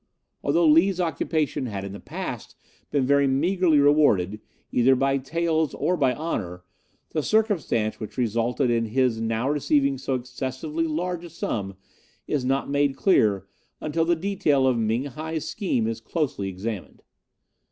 Although Lee's occupation had in the past been very meagrely rewarded, either by taels or by honour, the circumstance which resulted in his now receiving so excessively large a sum is not made clear until the detail of Ming hi's scheme is closely examined.